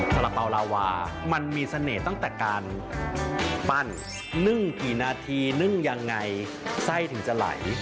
สาระเป๋าลาวามันมีเสน่ห์ตั้งแต่การปั้นนึ่งกี่นาทีนึ่งยังไงไส้ถึงจะไหล